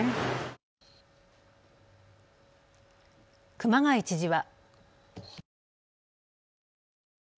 熊谷知事は。